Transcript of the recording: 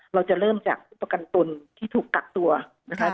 เราจะเริ่มจากผู้ประกันตนที่ถูกกักตัวนะคะ